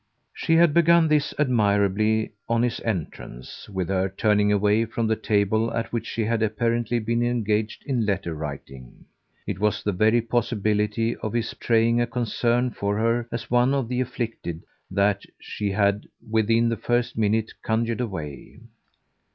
She had begun this, admirably, on his entrance, with her turning away from the table at which she had apparently been engaged in letter writing; it was the very possibility of his betraying a concern for her as one of the afflicted that she had within the first minute conjured away.